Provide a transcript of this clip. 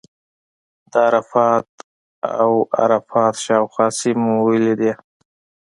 د عرفات او عرفات شاوخوا سیمې مو ولیدې.